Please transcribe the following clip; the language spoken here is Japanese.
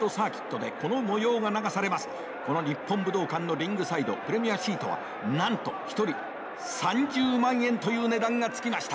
この日本武道館のリングサイドプレミアシートはなんと１人３０万円という値段が付きました。